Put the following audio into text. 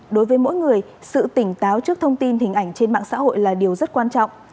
đối với mỗi người sự tỉnh táo trước thông tin hình ảnh trên mạng xã hội là điều rất quan trọng